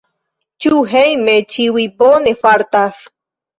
Ĉu hejme ĉiuj bone fartas?